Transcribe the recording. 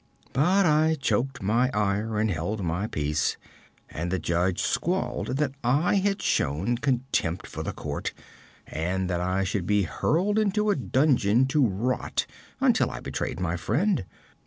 'But I choked my ire and held my peace, and the judge squalled that I had shown contempt for the court, and that I should be hurled into a dungeon to rot until I betrayed my friend.